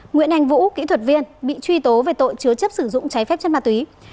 nguyễn anh vũ kỹ thuật viên bị truy tố về tội chứa chấp sử dụng trái phép chất ma túy